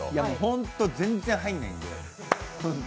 ホント全然入らないんで。